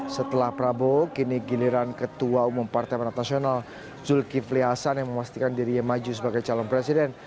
setelah prabowo kini giliran ketua umum partai manat nasional zulkifli hasan yang memastikan dirinya maju sebagai calon presiden